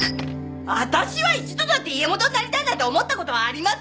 私は一度だって家元になりたいなんて思ったことはありません！